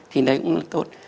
thì đấy cũng là tốt